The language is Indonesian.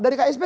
dari ksb tuh